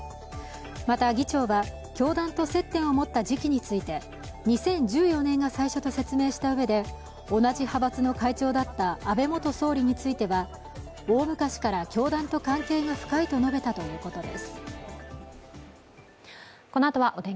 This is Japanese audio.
また議長は、教団と接点を持った時期について２０１４年が最初と説明したうえで、同じ派閥の会長だった安倍元総理については大昔から教団と関係が深いと述べたということです。